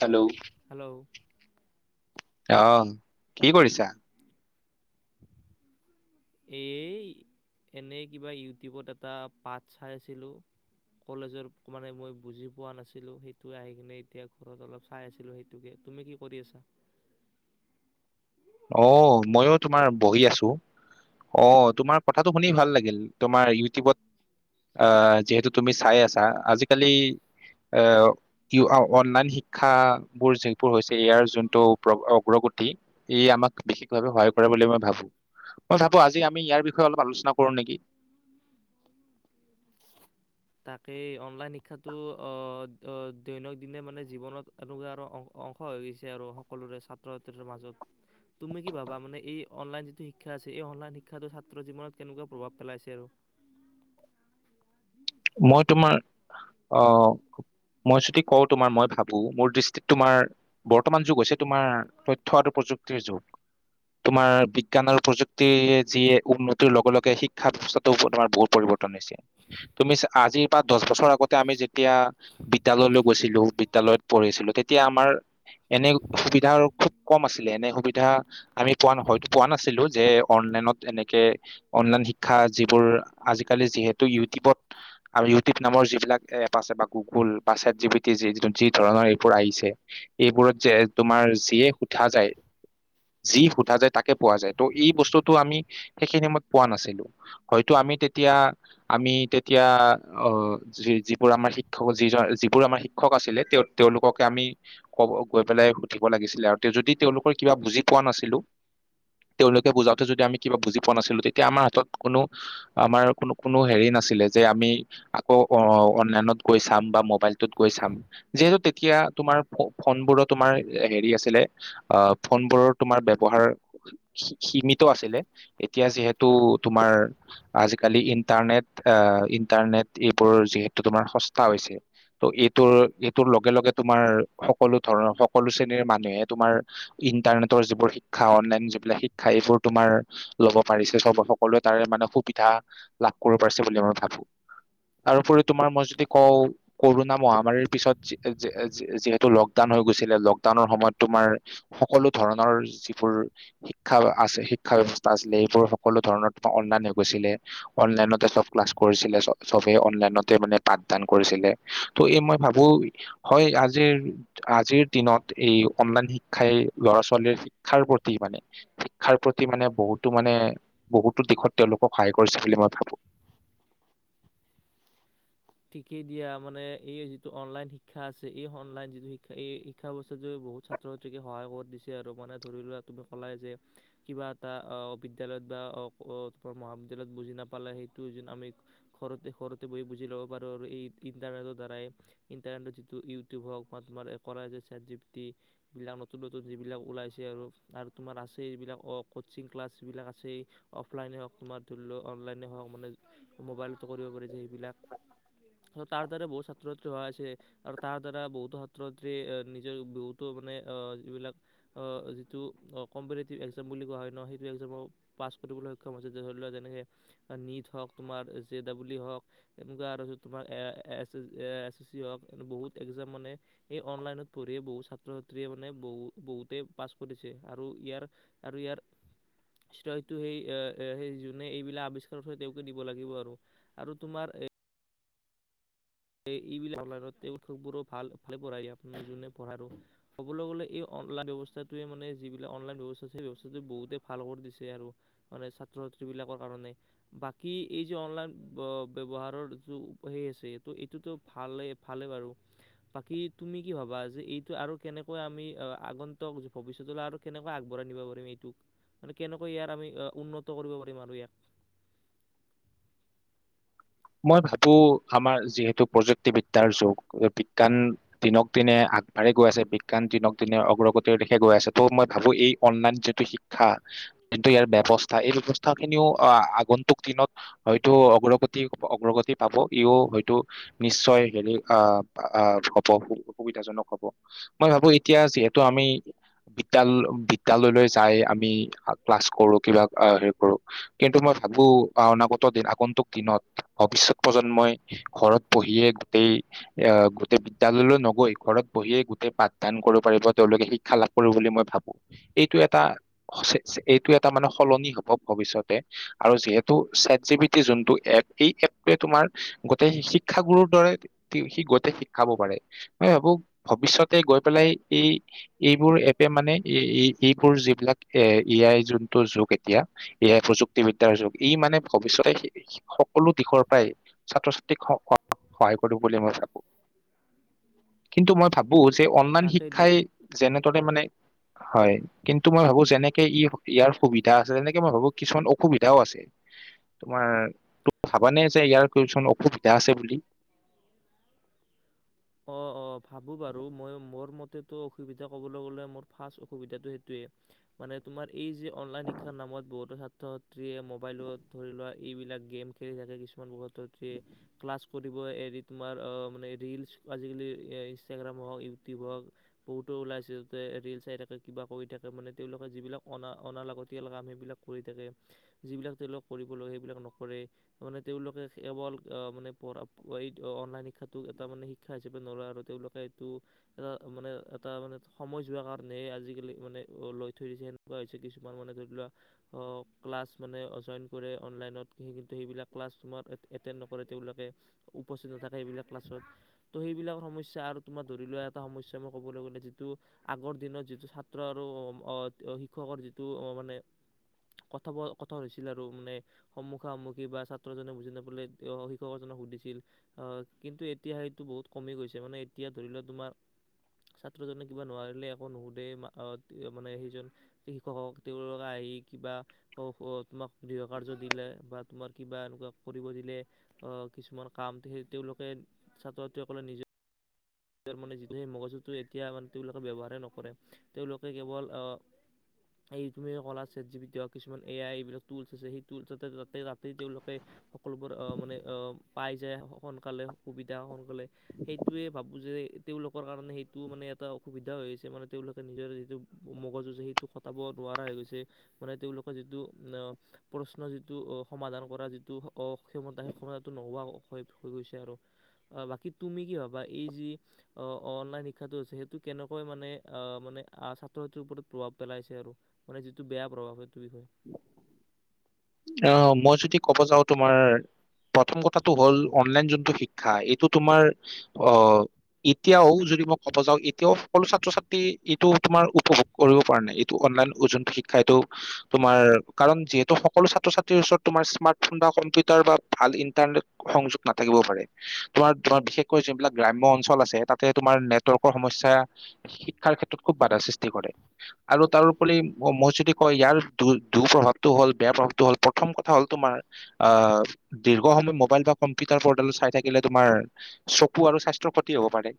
Hello. Hello. আহ কি কৰিছা। এ এনেই কিবা ইউটিউবত এটা পাঠ চাই আছিলো। কলেজৰ মানে মই বুজি পোৱা নাছিলো, সেইটো আহি কিনে এতিয়া ঘৰত অলপ চাই আছিলো সেইটোকে তুমি কি কৰি আছা। অ মইো তোমাৰ বহি আছো অ তোমাৰ কথাটো শুনি ভাল লাগিল। তোমাৰ ইউটিউবত আহ যিহেতু তুমি চাই আছা, আজিকালি এ অনলাইন শিক্ষাবোৰ যিবোৰ হৈছে ইয়াৰ যোনটো অগ্ৰগতি। ই আমাক বিশেষভাৱে সহায় কৰে বুলি মই ভাবো। মই ভাবো আজি আমি ইয়াৰ বিষয়ে অলপ আলোচনা কৰো নেকি। তাকেই অনলাইন শিক্ষাটো দৈনিক দিনে মানে, জীৱনত এনেকুৱা আৰু অংশ হৈ গৈছে আৰু। সকলোৰে ছাত্ৰ ছাত্ৰ মাজত তুমি কি ভাবা মানে এই অনলাইন যিটো শিক্ষা আছে এই অনলাইন শিক্ষা ছাত্ৰৰ জীৱনত কেনেকুৱা প্ৰভাৱ পেলাইছে আৰু। মই তোমাৰ আহ মই যদি কওঁ তোমাৰ মই ভাবো মোৰ দৃষ্টিত তোমাৰ বৰ্তমান যুগ হৈছে তোমাৰ তথ্যআৰু প্ৰযুক্তিৰ যুগ তোমাৰ বিজ্ঞান আৰু প্ৰযুক্তিৰ যিয় উন্নতিৰ লগে লগে শিক্ষা ব্যৱস্থাটো তোমাৰ বহুত পৰিৱৰ্তন হৈছে। তুমি আজিৰ পৰা দহ বছৰ আগতে আমি যেতিয়া বিদ্যালয়লৈ গৈছিলো, বিদ্যালয়ত পঢ়ি আছিলো তেতিয়া আমাৰ এনে সুবিধা খুব কম আছিলে। এনে সুবিধা আমি পোৱা হয়তো পোৱা নাছিলো যে অনলাইনত এনেকে অনলাইন শিক্ষা যিবোৰ আজিকালি যিহেতু ইউটিউবত। আৰু ইউটিউব নামৰ যিবিলাক এপ আছে বা গুগুল বা চট জি টি য যি ধৰণৰ এইবোৰ আহিছে এইবোৰত যে তোমাৰ যিয়ে সোধা যায় যি সোধা যায় তাকে পোৱা যায় ত এই বস্তুটো আমি সেইখিনি সমত পোৱা নাছিলো হয়তো আমি তেতিয়া আমি। এতিয়া অ যি যিবোৰ আমাৰ শিক্ষক যি যিবোৰ আমাৰ শিক্ষক আছিলে, তেওঁ তেওঁওলোককে আমি কব গৈ পেলাই সুধিব লাগিছিলে আৰু তেওঁ যদি তেওঁওলোকৰ কিবা বুজি পোৱা নাছিলো তেওঁলোকে বুজাওতে যদি আমি কিবা বুজি পোৱা নাছিলো তেতিয়া আমাৰ হাতত কোনো আমাৰ কোনো কোনো হেৰি নাছিলে। যে আমি আকৌ অনলাইনত গৈ চাম বা মোবাইলটোত গৈ চাম যিহেতু তেতিয়া তোমাৰ ফোনবোৰৰ তোমাৰ হেৰি আছিলে, ফোনবোৰৰ তোমাৰ ব্যৱহাৰ সীমিত আছিলে এতিয়া যিহেতু তোমাৰ আজিকালি ইন্টাৰনেট। ইণ্টাৰনেট এইবোৰ যিহেতু তোমাৰ সস্তা হৈছে ত' এইটোৰ এইটোৰ লগে লগে তোমাৰ সকলো ধৰণৰ সকলো শ্ৰেণীৰ মানুহে তোমাৰ ইন্টাৰনেটৰ যিবোৰ শিক্ষা অনলাইন যিবিলাক শিক্ষা এইবোৰ তোমাৰ লব পাৰিছে সকলোৱে তাৰে মানে সুবিধা লাভ কৰিব পাৰিছে বুলি মই ভাবো তাৰোপৰি তোমাৰ মই যদি কওঁ কৰোণা মহামাৰীৰ পিছত যিহেতু লকডাউন হৈ গৈছিলে লকডাউনৰ সময়ত তোমাৰ সকলো ধৰণৰ যিবোৰ শিক্ষা আছে শিক্ষা ব্য্য়ৱস্থা আছিলে সবোৰ সকলো ধৰণৰ তোমাৰ অনলাইন হৈ গৈছিলে অনলাইনতে চব ক্লাছ কৰিছিলে। চবে অনলাইনতে মানে পাঠদান কৰিছিলে ত' এই মই ভাবো হয় আজিৰ। আজিৰ দিনত এই অনলাইন শিক্ষাই ল'ৰা ছোৱালীৰ শিক্ষাৰ প্ৰতি মানে শিক্ষাৰ প্ৰতি মানে বহুতো মানে বহুতো দিশত, তেওঁলোকক সহায় কৰিছে। বুলি মই ভাবো। ঠিকেই দিয়া মানে এই যিটো অনলাইন শিক্ষা আছে এই অনলাইন যিটো শিক্ষা এই শিক্ষা বৱস্থাত যে বহুত ছাত্ৰ ছাত্ৰীকে সহায় কৰি দিছে আৰু মানে ধৰি লৰা তুমি ক'লাই যে কিবা এটা বিদ্য়ালয়ত বা তোমাৰ মহাবিদ্যালয়ত বুজি নাপালে সেইটো যি আমি ঘৰতে ঘৰতে বহি বুজি লওঁ। বাৰু আৰু এই ইণ্টাৰনেটৰ দ্বাৰাই ইণ্টাৰনেটৰ যিটো ইউটিউব হওক বা তোমাৰ কৰা এক্টিভেটি বা যিবিলাক নতুন নতুন যিবিলাক ওলাইছে আৰু আৰু তোমাৰ আছেই এইবিলাক অ কোচিং ক্লাছবিলাক আছেই অফলাইনে হওক তোমাৰ ধৰি লওক অনলাইনে হওক মানে মোবাইলতো কৰিব পাৰি যে সেইবিলাক। তাৰ দ্বাৰা বহুত ছাত্ৰ ছাত্ৰী অহা আছে আৰু তাৰ দ্বাৰা বহুতো ছাত্ৰ ছাত্ৰী নিজৰ বহুতো মানে যিবিলাক যিটো কম্পিটিটিভ এক্জাম বুলি কোৱা হয় ন সেইটো এক্জামো পাছ কৰিবলৈ সক্ষম হৈছে যে ধৰি লওক যেনেকে নিট হওক তোমাৰ জে ডাবল ই হওক এনেকুৱা আৰু। তোমাৰ এ এ এ এ এছ চি হওক বহুত একজাম মানে এই অনলাইনত পঢ়িয়ে বহুত ছাত্ৰ ছাত্ৰীয়ে মানে বহু বহুতে পাছ কৰিছে আৰু ইয়াৰ আৰু ইয়াৰ অ সেই সেই যোনে এইবিলাক আৱিষ্কাৰত কৰে তেওঁকে দিব লাগিব আৰু আৰু তোমাৰ সেই এইবিলাক অনলাইন উৎসৱবোৰো ভাল ভালে পঢ়ায় আপোনাৰ যোনে পঢ়াৰ ক'বলৈ গলে এই অনলাইন ব্যৱস্থাটোৱে মানে যিবিলাক অনলাইন ব্যৱস্থা সেই ব্যৱস্থাটো বহুতে ভাল কৰি দিছে আৰু মানে ছাত্ৰ ছাত্ৰী বিলাকৰ কাৰণে বাকী এই যে অনলাইন ব্যৱহাৰৰ যে সে আছে ত' এইটোতো ভালেই ভালে বাৰু বাকী তুমি কি ভাবা যে এইটো আৰু কেনেকৈ আমি আগন্তক ভৱিষ্যতলৈ আৰু কেনেকৈ আগবঢ়াই নিব পাৰিম এইটোক মানে কেনেকৈ ইয়াৰ আমি উন্নত কৰিব পাৰিম আৰু ইয়াক। মই ভাবো আমাৰ যিহেতু প্ৰযুক্তিবিদ্যাৰ যুগ বিজ্ঞান দিনক দিনে আগবাঢ়ি গৈ আছে বিজ্ঞান দিনক দিনে অগ্ৰগতিৰ দিশে গৈ আছে ত' মই ভাবো এই অনলাইন যিটো শিক্ষা যিটো ইয়াৰ ব্যৱস্থা এই ব্যৱস্থা খিনিও আগন্তুক দিনত হয়তো অগ্ৰগতি। অগ্ৰগতি পাব ইও হয়তো নিশ্চয় হেৰি আহ হব সুবিধাজনক হব মই ভাবো এতিয়া যিহেতু আমি বিদ্যালয় বিদ্যালয়লৈ যাই আমি ক্লাছ কৰো কিবা হেৰি কৰো কিন্তু মই ভাবো অনাগত দিন আগন্তুক দিনত। ভৱিষ্যত প্ৰজন্মই ঘৰত বহিয়ে গোটেই আহ গোটেই বিদ্য়ালয়লৈ নগৈ ঘৰত বহিয়ে গোটেই পাঠদান কৰিব পাৰিব। তেওঁলোকে শিক্ষা লাভ কৰিব বুলি মই ভাবো এইটো সঁচাই এটা এইটো এটা মানে সলনি হব ভৱিষ্যতে আৰু যিহেতু ছাট জি পি টি যোনটো এপ। এই এপটোৱে তোমাৰ গোটেই শিক্ষাগুৰুৰ দৰে সি গোটেই শিকাব পাৰে মই ভাবো ভৱিষ্যতে গৈ পেলাই এই এইবোৰ এপে মানে এইবোৰ যিবিলাক এ এ আই যোনটো যুগ এতিয়া এ আই প্ৰযুক্তিবদ্যাৰ যুগ ই মানে ভৱিষ্যতে। সকলো দিশৰ পৰাই ছাত্ৰ ছাত্ৰী। ত্ৰীক সহায় কৰিব। [unintelligible] বুলি ম‌ই ভাবোঁ। কিন্তু মই ভাবো বো যে অনলাইন তাকে দিয়া শিক্ষাই যেনেদৰে মানে হয় কিন্তু মই ভাবো যেনেকে ই ইয়াৰ সুবিধা আছে তেনেকে মই ভাবো কিছুমান অসুবিধাও আছে। তোমাৰ ভাবানে যে ইয়াৰ কিছুমান অসুবিধা আছে বুলি? অ অ ভাবোঁ বাৰু ময়ো। মোৰ মতে অসুবিধা ক'বলৈ গ'লে মোৰ ফাৰ্ষ্ট অসুবিধাটো সেইটোৱে মানে তোমাৰ এই যে অনলাইন শিক্ষাৰ নামত বহুতো ছাত্ৰ ছাত্ৰীয়ে মোবাইলত ধৰি লোৱা এইবিলাক গেম খেলি থাকে কিছুমান ছাত্ৰ ছাত্ৰীয়ে ক্লাছ কৰিব এৰি তোমাৰ মানে ৰিলচ আজিকালি ইনষ্টাগ্ৰাম হওক ইউটিউব হওক বহুতো ওলাই আছে যতে ৰিল চাই থাকে কিবা কৰি থাকে মানে তেওঁলোকে যিবিলাক অনা অনা লাগতিয়াল কাম সেইবিলাক কৰি থাকে যিবিলাক তেওঁলোক কৰিব লাগে সেইবিলাক নকৰে মানে তেওঁলোকে কেৱল মানে পঢ়া এই অনলাইন শিক্ষাটো এটা মানে শি শিক্ষা হিচাপে নলয় আৰু তেওঁলোকে এইটো এটা মানে এটা মানে সময় যোৱাৰ কাৰণেহে আজিকালি মানে লৈ থৈ দিছে সেনেকুৱা হৈছে কিছুমান মানে ধৰি লোৱা ক্লাছ মানে জইন কৰে অনলাইনত কিন্তু সেইবিলাক ক্লাছ তোমাৰ এটেণ্ড নকৰে তেওঁলোকে উপস্থিত নাথাকে সেইবিলাক ক্লাছত ত' সেইবিলাক সমস্যা আৰু তোমাৰ ধৰি লোৱা এটা সমস্যা মই ক'বলৈ'লে যিটো আগৰ দিনত যিটো ছাত্ৰ আৰু শিক্ষকৰ যিটো মানে কথা ব কথা হৈছিল আৰু মানে সন্মুখা সন্মুখি বা ছাত্ৰজনে বুজি নাপালে শিক্ষকজনক সুধিছিল আহ কিন্তু এতিয়া সেইটো বহুত কমি গৈছে মানে এতিয়া ধৰি লোৱা তোমাৰ ছাত্ৰজনে কিবা নোৱাৰিলে একো নুশুধে মানে সেইজন শিক্ষকক তেওঁ আহি কিবা তোমাক ডিঅ' কাৰ্ড জো দিলে বা তোমাক কিবা এনেকুৱা কৰিব দিলে কিছুমান কাম সেই তেওঁলোকে ছাত্ৰ সকলে নিজে যিহেতু মগজুটো এতিয়া মানে তেওঁলোকে ব্যৱহাৰ নকৰে তেওঁলোকে কেৱল আহ এই কলা ছাট জিপিটি কিছুমান এ আই এইবিলাক টুল আছে সেই তাতে তাতেই তেওঁলোকে সকলোবোৰ আহ মানে আহ পাই যায় সোনকালে সুবিধা সোনকালে সেইটোৱে ভাবোঁ যে তেওঁলোকৰ কাৰণে সেইটো মানে এটা অসুবিধা হৈ গৈছে মানে তেওঁলোকে নিজৰ যিটো মগজুজ সেইটো কটাব নোৱাৰা হৈ গৈছে মানে তেওঁলোকৰ যিটো প্ৰশ্ন যিটো সমাধান কৰা যিটো কও ক্ষমতা সেই ক্ষমতটো নোহোৱা হৈ হয় হৈ গৈছে আৰু অ বাকী তুমি কি ভাবা? বা এই যি অনলাইন শিক্ষাটো আছে সেইটো কেনেকৈ মানে মানে ছাত্ৰ ছাত্ৰীৰ ওপৰত প্ৰভাৱ পেলাইছে আৰু মানে যিটো বেয়া প্ৰভাৱ আৰু সেইটো বিষয়ে আহ মই যদি কব যাওঁ তোমাৰ প্ৰথম কথাটো হল অনলাইন যোনটো শিক্ষা এইটো তোমাৰ আহ এতিয়াও যদি মই কব যাওঁ এতিয়াও সকলো ছাত্ৰ ছাত্ৰী এইটো তোমাৰ উপভোগ কৰিব পৰা নাই এইটো অনলাইন যোনটো শিক্ষা এইটো তোমাৰ কাৰণ যিহেতু সকলো ছাত্ৰ ছাত্ৰীৰ ওচৰত তোমাৰ স্মাৰ্টফোন বা কম্পিউটাৰ বা ভাল ইণ্টাৰনেট সংযোগ নাথাকিব‌ও পাৰে তোমাৰ তোমাৰ বিশেষকৈ যোনবিলাক গ্ৰাম্য অঞ্চল আছে তাতে তোমাৰ নেটৱৰ্কৰ সমস্যা শিক্ষাৰ ক্ষেত্ৰত খুব বাধা সৃষ্টি কৰে। আৰু তাৰোপৰি মই যদি ক‌ওঁ ইয়াৰ দু দু প্ৰভাৱটো হ'ল বেয়া প্ৰভাৱটো হ'ল প্ৰথম কথা হ'ল তোমাৰ আহ দীৰ্ঘ সময় মোবাইল বা কম্পিউটাৰ পৰ্টেলত চাই থাকিলে তোমাৰ চকু আৰু স্বাস্থ ক্ষতি হ'ব পাৰে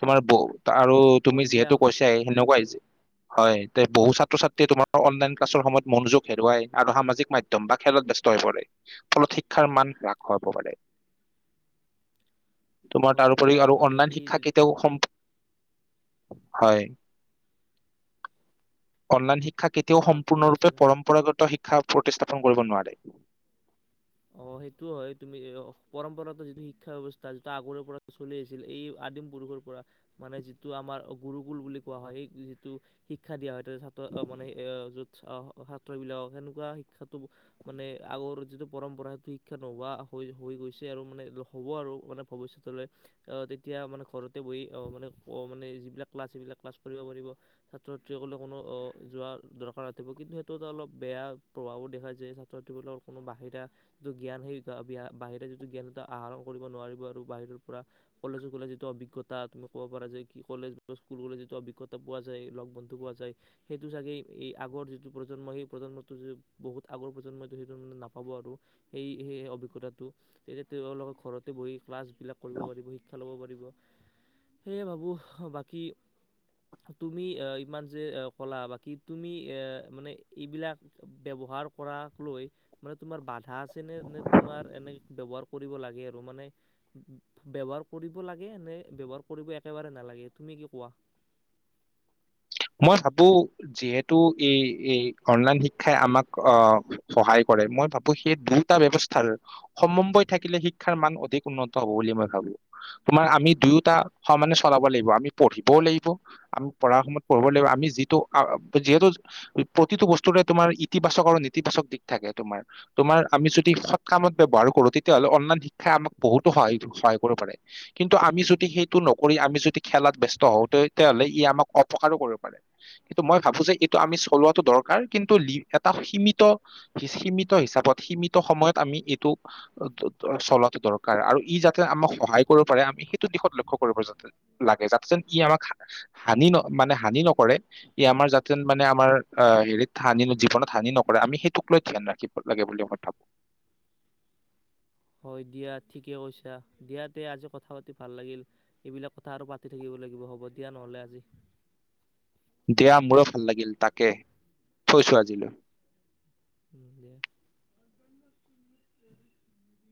তোমাৰ বৌ আৰু তুমি হয় দিয়া যিহেতু কৈছা সেনেকুৱা যে হয় এ বহু ছাত্ৰ ছাত্ৰীয়ে তোমাৰ অনলাইন ক্লাছৰ সময়ত মনোযোগ হেৰুৱাই আৰু সামাজিক মাধ্যম বা খেলত ব্যস্ত হৈ পৰে ফলত শিক্ষাৰ মান হ্ৰাস পাব পাৰে তোমাৰ হয় তাৰ ওপৰি দিয়া আৰু মানে অনলাইন এই শিক্ষা যি- কেতিয়াও সম্পূ হয় অনলাইন শিক্ষা শিক্ষা কেতিয়াও কোৱা কি কৈ সম্পূৰ্ণৰূপে আছিলা? পৰম্পৰাগত শিক্ষা প্ৰতিস্থাপন কৰিব নোৱাৰে অ সেইটোও হয় তুমি পৰম্পৰাগত যিটো শিক্ষা ব্যয়ৱস্থা যিটো আগৰ পৰা চলি আছিল এই আদিম পুৰুষৰ পৰা মানে যিটো আমাৰ গুৰুকুল বুলি কোৱা হয় এই যিটো শিক্ষা দিয়া হয় তাত মানে য'ত সত্ৰ বিলাকক সেনেকোৱা শিক্ষাটো মানে আগৰ যিটো পৰম্পৰা সেতু শিক্ষা নোহোৱা হৈ হৈ গৈছে আৰু মানে হ'ব আৰু মানে ভৱিষ্যতলৈ তেতিয়া মানে ঘৰতে বহি মানে মানে যিবিলাক ক্লাছ সেইবিলাক ক্লাছ কৰিব পাৰিব ছাত্ৰ ছাত্ৰীসলে কোনো যোৱাৰ দৰকাৰ নাথাকিব কিন্তু সেইটো এটা অলপ বেয়া প্ৰভাৱো দেখা যায় ছাত্ৰ ছাত্ৰীবোৰক কোনো বাহিৰা যিটো জ্ঞান সেই বাহিৰে যিটো জ্ঞান এটা আহৰণ কৰিব নোৱাৰিব আৰু বাহিৰৰ পৰা কলেজো গলে যিটো অভিজ্ঞতা তুমি ক'ব পাৰা যে কি কলেজ বা স্কুল গলে যিটো অভিজ্ঞতা পোৱা যায় লগ বন্ধু পোৱা যায় সেইটো চাগেই এই আগৰ যিটো প্ৰজন্মই সেই প্ৰজন্মটো বহুত আগৰ প্ৰজন্মইটো সেইটো মানে নাপাব আৰু সেই সেই অভিজ্ঞতাটো তেতিয়া তেওঁলোকে ঘৰতে বহি ক্লাছ বিলাক কৰিব পাৰিব শিক্ষা লব পাৰিব সেয়ে ভাবো বাকী তুমি আহ ইমান যে এ কলা বাকী তুমি এ মানে এইবিলাক ব্যৱহাৰ কৰা লৈ মানে তোমাৰ বাদ ঠাঁছ হৈছেনে নে তোমাৰ এনেই ব্যৱহাৰ কৰিব লাগে আৰু মানে ব্যৱহাৰ কৰিব লাগে নে ব্যৱহাৰ কৰিব একেবাৰে নালাগে তুমি কি কোৱা মই ভাবো যিহেতু এই অনলাইন শিক্ষাই আমাক অ সহায় কৰে মই ভাবোঁ সেই দুয়োটা ব্যৱস্থাৰ সম্বন্ধ থাকিলে শিক্ষাৰ মান অধিক উন্নত হ'ব বুলি মই ভাবো তোমাৰ আমি দুয়োটা সমানে চলাব লাগিব আমি পঢ়িবও লাগিব আমি পঢ়াৰ সময়ত কৰিব লাগিব আমি যিটো যিহেতু প্ৰতিটো বস্তুৰে তোমাৰ ইতিবাচক আৰু নেতিবাচক দিশ থাকে তোমাৰ তোমাৰ আমি যদি সৎ কামত ব্যৱহাৰ কৰো তেতিয়াহলে অনলাইন শিক্ষাই আমাক বহুতো সহায় সহায় কৰিব পাৰে কিন্তু আমি যদি সেইটো নকৰি আমি যদি খেলাত ব্যস্ত হওঁ তেতিয়াহ'লে ই আমাক উপকাৰো কৰিব পাৰে কিন্তু মই ভাবো যে এইটো আমি চলোৱাটো দৰকাৰ কিন্তু এটা সীমিত সীমিত হিচাপত সীমিত সময়ত আমি এইটো চলোৱাটো দৰকাৰ আৰু ই যাতে আমাক সহায় কৰিব পাৰে আমি সেইটো দিশত লক্ষ্য কৰিব যাতে লাগে যাতে যেন ই আমাক হানি ন মানে হানি নকৰে ই আমাৰ জাতে মানে আমাৰ আহ হেৰিত হানি জীৱনত হানি নকৰে আমি সেইটোক লৈ ধ্যান ৰাখিব লাগে বুলি মই ভাবোঁ হয় দিয়া ঠিকে কৈছা দিয়া দে আজি কথা পাতি ভাল লাগিল এইবিলাক কথা আৰু পাতি থাকিব লাগিব হ'ব দিয়া নহ'লে আজি দিয়া মোৰো ভাল লাগিল তাকে থৈছোঁ আজিলৈ উম দিয়া উম